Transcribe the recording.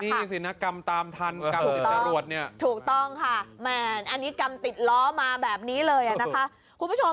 นี่สินะกรรมตามทันกรรมอินทราบรวด